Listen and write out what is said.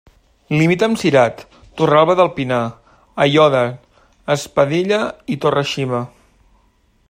Limita amb Cirat, Torralba del Pinar, Aiòder, Espadella i Torre-xiva.